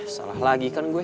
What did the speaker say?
salah lagi kan gue